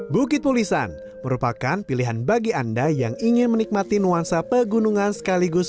bukit pulisan merupakan pilihan bagi anda yang ingin menikmati nuansa pegunungan sekaligus